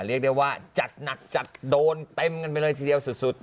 เรียกได้ว่าจัดหนักจัดโดนเต็มกันไปเลยทีเดียวสุด